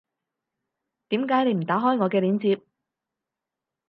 點解你唔打開我嘅鏈接